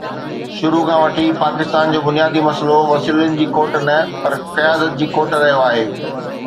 شروع کان وٺي پاڪستان جو بنيادي مسئلو وسيلن جي کوٽ نه پر قيادت جي کوٽ رهيو آهي.